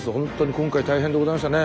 今回大変でございましたね。